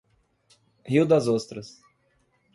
Rio Das Ostras